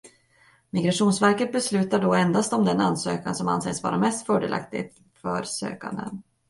Migrationsverket beslutar då endast om den ansökan som anses vara mest fördelaktigt för sökanden.